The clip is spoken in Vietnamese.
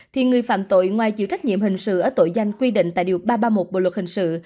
thì người phạm tội ngoài chịu trách nhiệm hình sự ở tội danh quy định tại điều ba trăm ba mươi một bộ luật hình sự